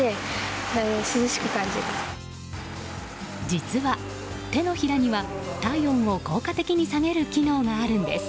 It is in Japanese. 実は、手のひらには体温を効果的に下げる機能があるんです。